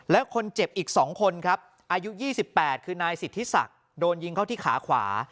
แล้วคนเจ็บอีก๒คนครับอายุ๒๘คือนายสิทธิศักดิ์โดนยิงเข้าที่ขาขวา